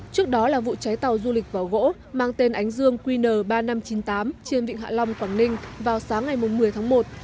trước đó là vụ cháy tàu du lịch vỏ gỗ mang tên ánh dương qn ba nghìn năm trăm chín mươi tám trên vịnh hạ long quảng ninh vào sáng ngày một mươi tháng một